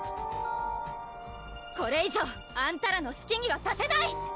これ以上あんたらのすきにはさせない！